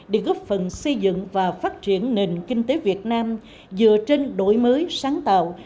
để góp phần xây dựng và phát triển nền kinh tế việt nam dựa trên đổi mới sáng tạo